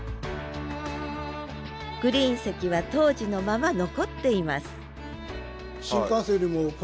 グリーン席は当時のまま残っています